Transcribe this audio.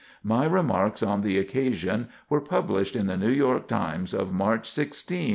My remarks on the occasion were published in The New York Times of March 16, 1865.